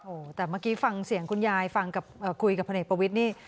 โอ้โหแต่เมื่อกี้ฟังเสียงคุณยายฟังคุยกับพลเอกประวิทย์นี่